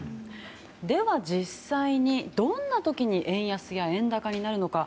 では実際に、どんな時に円安や円高になるのか。